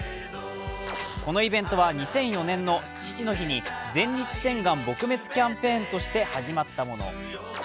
このイベントは２００４年の父の日に前立腺がん撲滅キャンペーンとして始まったもの。